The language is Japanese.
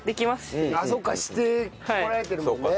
してこられてるもんね。